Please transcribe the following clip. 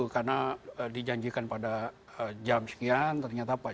karena dijanjikan pada jam sekian ternyata pagi